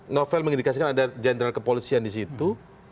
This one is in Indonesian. novel mengindikasikan ada jenderal kepolisian di situ